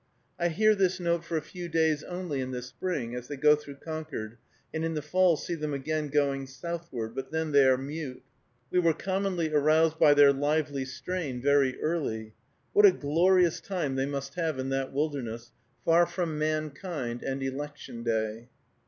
I hear this note for a few days only in the spring, as they go through Concord, and in the fall see them again going southward, but then they are mute. We were commonly aroused by their lively strain very early. What a glorious time they must have in that wilderness, far from mankind and election day!